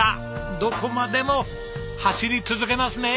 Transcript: どこまでも走り続けますね！